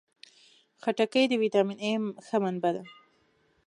خټکی د ویټامین A ښه منبع ده.